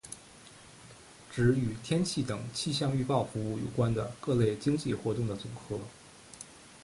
指与天气等气象预报服务有关的各类经济活动的总和。